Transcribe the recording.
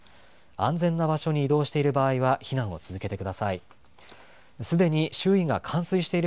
安全な場所に移動している場合は避難を続けてください。